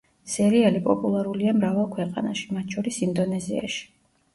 სერიალი პოპულარულია მრავალ ქვეყანაში, მათ შორის ინდონეზიაში.